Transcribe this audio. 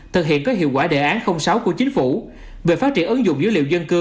thực hiện có hiệu quả đề án sáu của chính phủ về phát triển ứng dụng dữ liệu dân cư